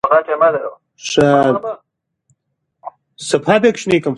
ژوند د انسان د فکر او عمل تر منځ رښتینی تړاو ښيي.